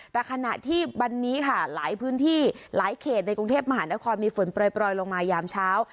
แต่ขณะที่วันนี้ค่ะหลายพื้นที่หลายเขตในกรุงเทพมหานครมีฝนปล่อยลงมายามเช้า